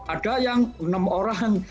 ada yang enam orang